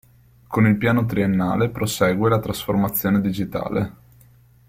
Con il Piano Triennale prosegue la trasformazione digitale.